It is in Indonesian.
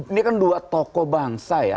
ini kan dua tokoh bangsa ya